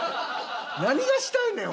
何がしたいねん！